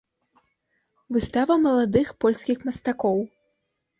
Выстава маладых польскіх мастакоў.